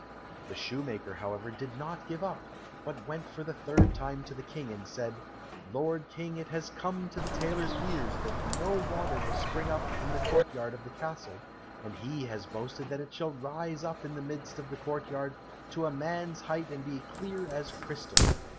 The shoemaker, however, did not give up, but went for the third time to the King and said, "Lord King, it has come to the tailor's ears that no water will spring up in the court yard of the castle, and he has boasted that it shall rise up in the midst of the court yard to a man's height and be clear as crystal."